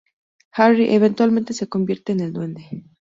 Harry eventualmente se convierte en el Duende.